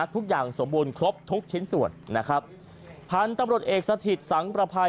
ทุกอย่างสมบูรณ์ครบทุกชิ้นส่วนนะครับพันธุ์ตำรวจเอกสถิตสังประภัย